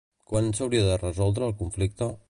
Quan s'hauria de resoldre el conflicte?